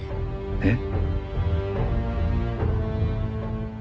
えっ？